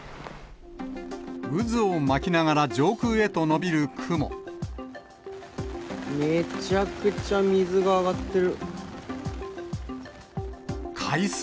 渦を巻きながら上空へと伸びめちゃくちゃ水が上がってる。